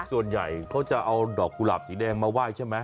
ส่วนใหญ่เขาจะเอาดอกกุหลาบสีแดงมาไหว้ใช่ไหม